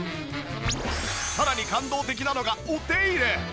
さらに感動的なのがお手入れ。